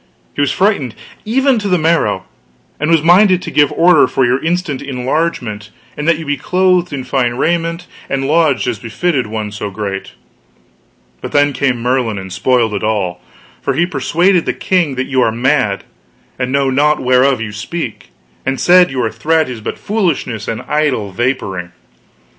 He was frighted even to the marrow, and was minded to give order for your instant enlargement, and that you be clothed in fine raiment and lodged as befitted one so great; but then came Merlin and spoiled all; for he persuaded the king that you are mad, and know not whereof you speak; and said your threat is but foolishness and idle vaporing.